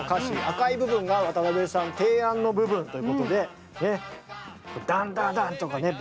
赤い部分が渡辺さん提案の部分ということでダンダダンとかね